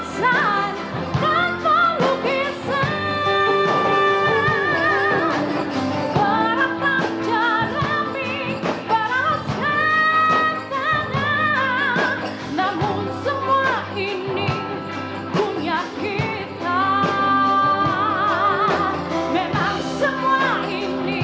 semua ini milik kita sendiri